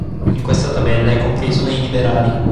In questa tabella è compreso nei liberali.